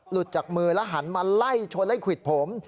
จากมือแล้วหันมาไล่ชนไล่ควิดผม